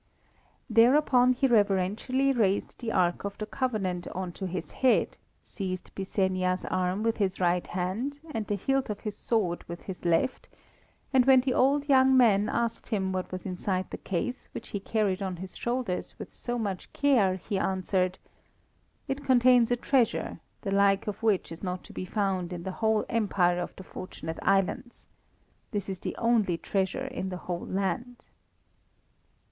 Thereupon he reverentially raised the Ark of the Covenant on to his head, seized Byssenia's arm with his right hand and the hilt of his sword with his left, and when the old young man asked him what was inside the case which he carried on his shoulders with so much care, he answered "It contains a treasure, the like of which is not to be found in the whole empire of the Fortunate Islands. This is the only treasure in the whole land."